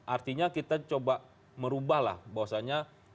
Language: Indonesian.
artinya kita coba merubahlah bahwasannya